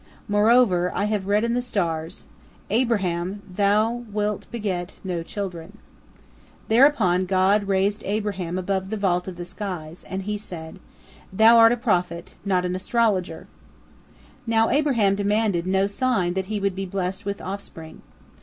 Moreover, I have read in the stars, 'Abraham, thou wilt beget no children.'" Thereupon God raised Abraham above the vault of the skies, and He said, "Thou art a prophet, not an astrologer!" Now Abraham demanded no sign that he would be blessed with offspring.